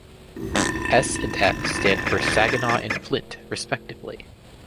"S" and "F" stand for Saginaw and Flint, respectively.